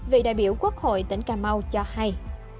vị đại biểu quốc hội tỉnh cà mau cho hay